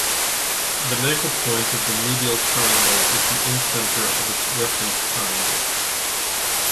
The Nagel point of the medial triangle is the incenter of its reference triangle.